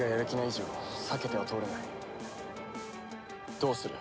どうする？